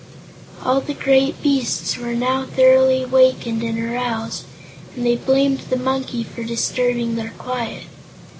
All the great beasts were now thoroughly wakened and aroused, and they blamed the monkey for disturbing their quiet.